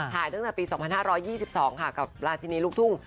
ตั้งแต่ปี๒๕๒๒ค่ะกับราชินีลูกทุ่ง